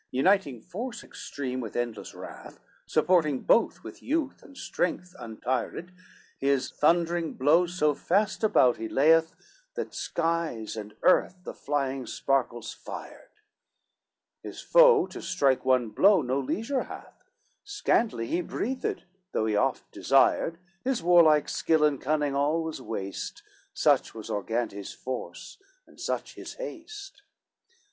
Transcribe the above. XLVI Uniting force extreme, with endless wrath, Supporting both with youth and strength untired, His thundering blows so fast about he layeth, That skies and earth the flying sparkles fired; His foe to strike one blow no leisure hath, Scantly he breathed, though he oft desired, His warlike skill and cunning all was waste, Such was Argantes' force, and such his haste.